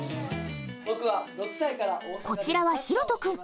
こちらはひろと君。